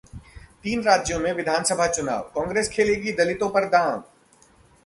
तीन राज्यों में विधानसभा चुनाव, कांग्रेस खेलेगी दलितों पर दांव